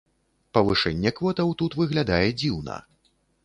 Павышэнне квотаў тут выглядае дзіўна.